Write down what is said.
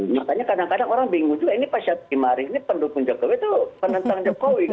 makanya kadang kadang orang bingung juga ini pak syafi mari ini pendukung jokowi itu penentang jokowi